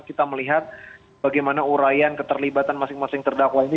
kita melihat bagaimana urayan keterlibatan masing masing terdakwa ini